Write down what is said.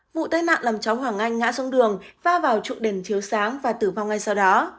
vụ tai nạn làm cháu hoàng anh ngã xuống đường va vào trụng đèn chiếu sáng và tử vong ngay sau đó